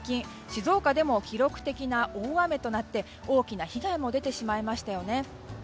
静岡でも記録的な大雨となって大きな被害も出てしまいましたよね。